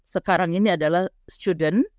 sekarang ini adalah student